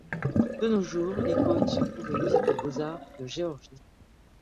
De nos jours l'icône se trouve au musée des beaux arts de Géorgie.